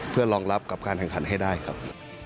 เพื่อรองรับกับการแข่งขันให้ได้ครับ